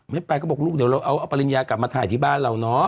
ไม่ไปก็บอกลูกเดี๋ยวเราเอาปริญญากลับมาถ่ายที่บ้านเราเนาะ